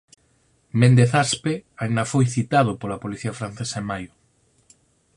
Méndez Aspe aínda foi citado pola policía francesa en maio.